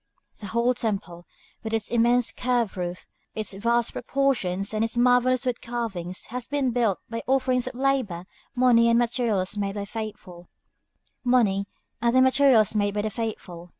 The whole temple, with its immense curved roof, its vast proportions, and its marvelous wood carvings, has been built by offerings of labor, money, and materials made by the faithful.